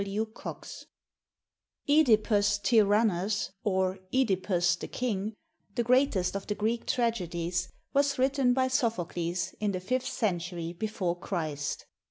G. W. COX ["(Edipus TYRANNUS,"or ''(Edipus the King," the greatest of the Greek tragedies, was written by Sophocles in the fifth century before Christ.